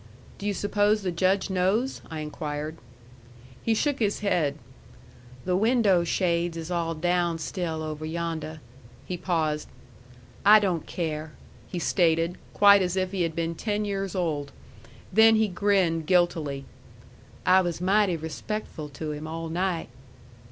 "Do you suppose the Judge knows?" I inquired. He shook his head. "The windo' shades is all down still oveh yondeh." He paused. "I don't care," he stated, quite as if he had been ten years old. Then he grinned guiltily. "I was mighty respectful to him all night."